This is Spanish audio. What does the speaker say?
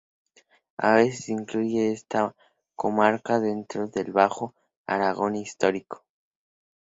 A veces se incluye esta comarca dentro del Bajo Aragón Histórico.